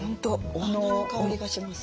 お花の香りがします。